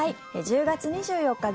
１０月２４日